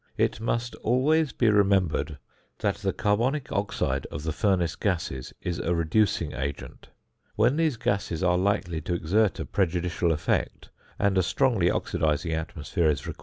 It must always be remembered, that the carbonic oxide of the furnace gases is a reducing agent. When these gases are likely to exert a prejudicial effect, and a strongly oxidising atmosphere is required, the work is best done in a muffle.